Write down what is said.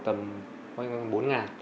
à nhưng mà công ty